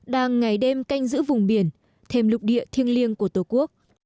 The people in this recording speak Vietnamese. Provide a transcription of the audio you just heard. đang ngày đêm canh giữ vùng biển thêm lục địa thiêng liêng của tổ quốc